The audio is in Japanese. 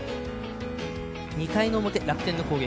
２回の表、楽天の攻撃。